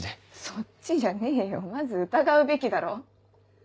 そっちじゃねえよまず疑うべきだろ。